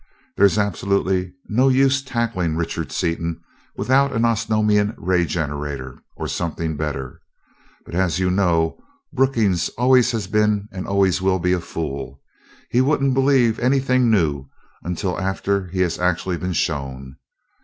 There's absolutely no use tackling Richard Seaton without an Osnomian ray generator or something better; but, as you know, Brookings always has been and always will be a fool. He won't believe anything new until after he has actually been shown.